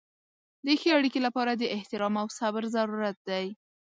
د ښې اړیکې لپاره د احترام او صبر ضرورت دی.